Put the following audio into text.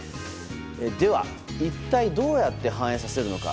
では、一体どうやって反映させるのか。